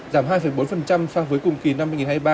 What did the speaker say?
giảm hai bốn so với cùng kỳ năm hai nghìn hai mươi ba